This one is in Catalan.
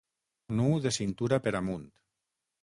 Nu de cintura per amunt.